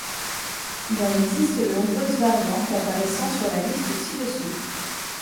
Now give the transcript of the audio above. Il en existe de nombreuses variantes apparaissant sur la liste ci-dessous.